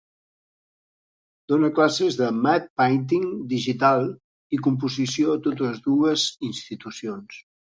Dona classes de "matte painting" digital i composició a totes dues institucions.